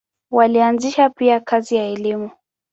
Walianzisha pia kazi ya elimu.